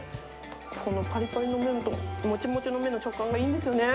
このぱりぱりの麺ともちもちの麺の食感がいいんですよね。